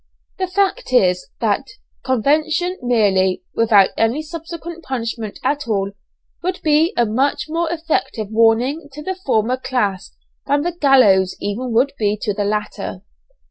The fact is, that conviction merely, without any subsequent punishment at all, would be a much more effective warning to the former class than the gallows even would be to the latter!